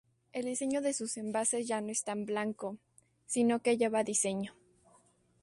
El diseño de sus envases ya no es blanco, sino que lleva diseño.